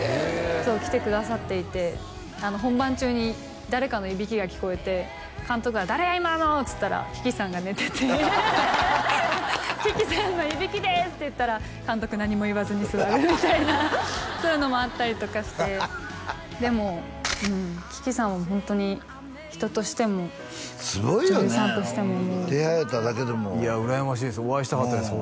そう来てくださっていて本番中に誰かのいびきが聞こえて監督が「誰や今の！？」っつったら樹木さんが寝てて「樹木さんのいびきです」って言ったら監督何も言わずに座るみたいなそういうのもあったりとかしてでもうん樹木さんはホントに人としても女優さんとしてもすごいよね出会えただけでもいや羨ましいですお会いしたかったです